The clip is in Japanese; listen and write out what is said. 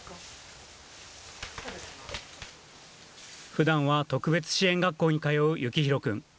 ふだんは特別支援学校に通うゆきひろくん。